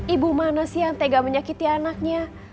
ibu mana sih yang tega menyakiti anaknya